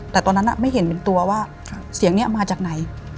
แต่ตอนนั้นไม่เห็นเป็นตัวว่าเสียงนี้มาจากไหน